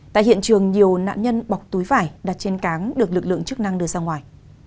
tại hiện trường nhiều nạn nhân bọc túi vải đặt trên cáng được lực lượng chức năng đưa ra ngoài